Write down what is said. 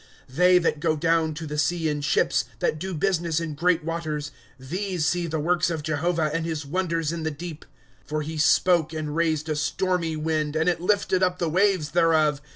^^ They that go down to the sea in ships, That do business in great waters ;^* These see the works of Jehovah, And his wonders in the deep. ^■' For he spoke, and raised a stormy wind, And it lifted up the waves thereof.